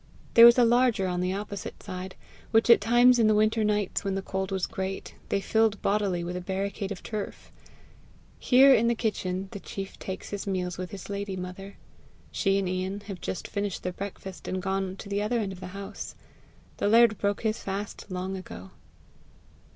There was a larger on the opposite side, which at times in the winter nights when the cold was great, they filled bodily with a barricade of turf. Here, in the kitchen, the chief takes his meals with his lady mother. She and Ian have just finished their breakfast, and gone to the other end of the house. The laird broke his fast long ago.